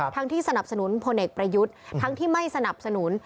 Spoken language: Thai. ที่สนับสนุนพลเอกประยุทธ์ทั้งที่ไม่สนับสนุน